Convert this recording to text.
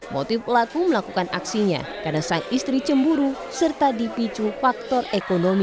motif pelaku melakukan aksinya karena sang istri cemburu serta dipicu faktor ekonomi